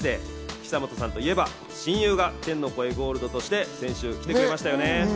久本さんといえば親友が天の声ゴールドとして先週来てましたね。